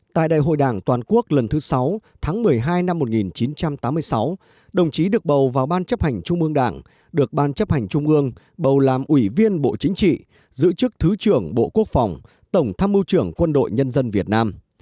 tại đại hội đảng toàn quốc lần thứ sáu tháng một mươi hai năm một nghìn chín trăm tám mươi sáu đồng chí được bầu vào ban chấp hành trung ương đảng được ban chấp hành trung ương bầu làm ủy viên bộ chính trị giữ chức thứ trưởng bộ quốc phòng tổng tham mưu trưởng quân đội nhân dân việt nam